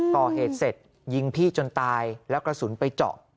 ก่อเหตุเสร็จยิงพี่จนตายแล้วกระสุนไปเจาะ